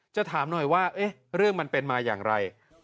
จะถามหน่อยว่าเรื่องมันเป็นมาอย่างไร